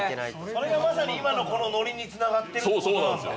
それがまさに今のノリにつながってるってことなんだ。